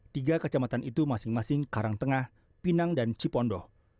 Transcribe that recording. tiga kecamatan itu masing masing karangtengah pinang dan cipondo